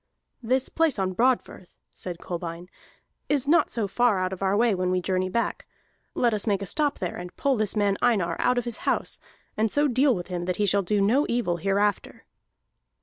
"This place on Broadfirth," said Kolbein, "is not so far out of our way when we journey back. Let us make a stop there, and pull this man Einar out of his house, and so deal with him that he shall do no evil hereafter."